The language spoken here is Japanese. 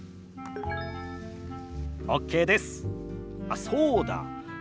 あっそうだ。